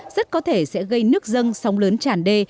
rất có thể sẽ gây nước dâng sóng lớn tràn đê